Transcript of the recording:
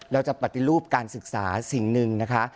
เราจะปฏิรูปการศึกษาสิ่งหนึ่งนะคะ